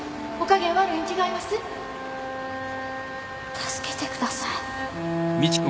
助けてください